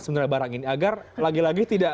sebenarnya barang ini agar lagi lagi tidak